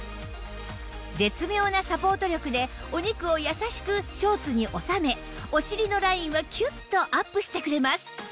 絶妙なサポート力でお肉を優しくショーツに収めお尻のラインはキュッとアップしてくれます